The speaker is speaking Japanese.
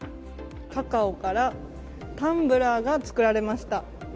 カカオからタンブラーが作られました。